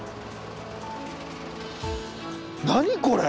何これ！